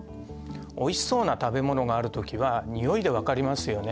おいしそうな食べ物がある時はにおいで分かりますよね？